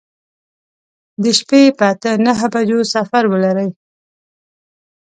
د شپې په اته نهو بجو سفر ولرئ.